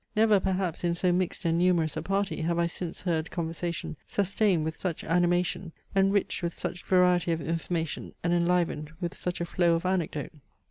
Never, perhaps, in so mixed and numerous a party have I since heard conversation, sustained with such animation, enriched with such variety of information and enlivened with such a flow of anecdote.